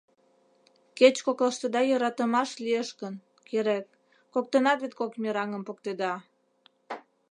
Кеч коклаштыда йӧратымаш лиеш гын, керек, коктынат вет кок мераҥым поктеда!